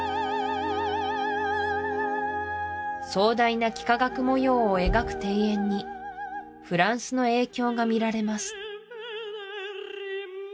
壮大な幾何学模様を描く庭園にフランスの影響が見られます